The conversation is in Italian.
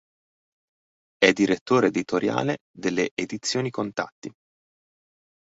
È direttore editoriale delle Edizioni Contatti.